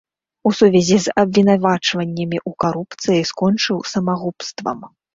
У сувязі з абвінавачваннямі ў карупцыі скончыў самагубствам.